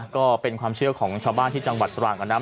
ก็เป็นความเชื่อของชาวบ้านที่จังหวัดตรังนะ